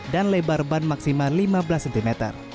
dan lebar ban maksimal lima belas cm